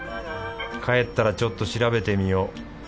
帰ったらちょっと調べてみよう。